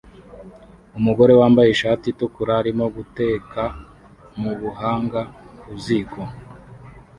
Umugore wambaye ishati itukura arimo guteka mubuhanga ku ziko